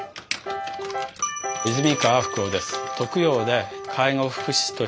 泉川福夫です。